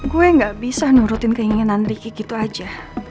gue gak bisa nurutin keinginan ricky gitu aja